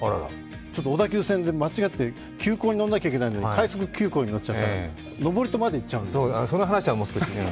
ちょっと小田急線で間違えて急行に乗らなきゃいけないのに快速急行に乗っちゃったんです、登戸まで行っちゃうんですよ。